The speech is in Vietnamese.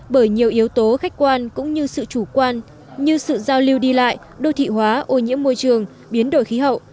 bởi nhiều yếu tố khách quan cũng như sự chủ quan như sự giao lưu đi lại đô thị hóa ô nhiễm môi trường biến đổi khí hậu